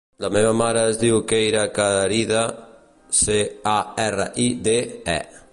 La meva mare es diu Keira Caride: ce, a, erra, i, de, e.